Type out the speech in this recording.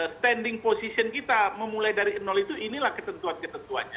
standing position kita memulai dari nol itu inilah ketentuan ketentuannya